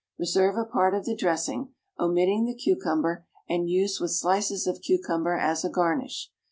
Reserve a part of the dressing, omitting the cucumber, and use with slices of cucumber as a garnish.